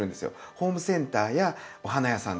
ホームセンターやお花屋さんで。